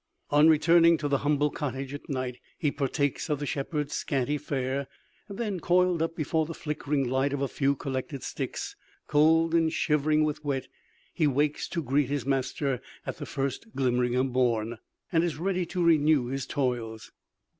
On returning to the humble cottage at night, he partakes of the "shepherd's scanty fare;" and then, coiled up before the flickering light of a few collected sticks, cold and shivering with wet, he awakes to greet his master at the first glimmering of morn, and is ready to renew his toils.